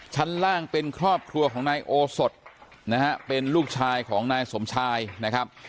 ชั้นล่างเป็นครอบครัวของนายโอสดนะฮะเป็นลูกชายของนายสมชายนะครับ